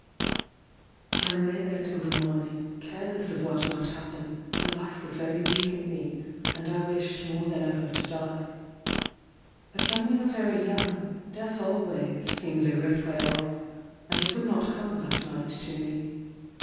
I lay there till the morning, careless of what might happen, for life was very weak in me, and I wished more than ever to die. But when we are very young, death always seems a great way off, and it would not come that night to me.